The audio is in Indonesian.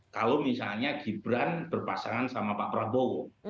kalau misalnya gibran berpasangan sama pak prabowo